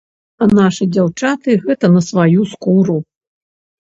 А нашы дзяўчаты гэта на сваю скуру!